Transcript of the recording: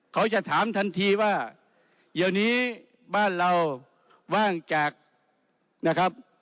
เขาจะถามทันทีว่าเดี๋ยวนี้บ้านเราว่างจากนะครับ